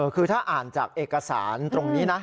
คือถ้าอ่านจากเอกสารตรงนี้นะ